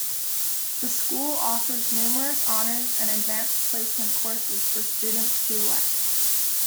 The school offers numerous Honors and Advanced Placement courses for students to elect.